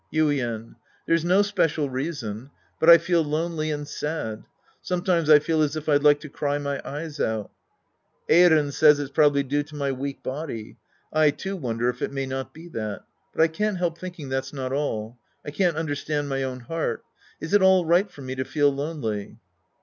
Yuien. There's no special reason. But I feel lonely and sad. Sometimes I feel as if I'd like to ciy my e yes out. Eiren says it's probably due to my weak body. I, too, wonder if it may not be that. But X j:aa! LJidpJiJQWac. feat!&Jiet^^ I can't understand my own heart. Is it all right for me to feel lonely